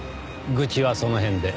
愚痴はその辺で。